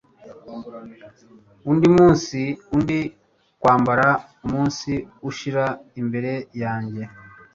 undi munsi, undi kwambara umunsi ushira imbere yanjye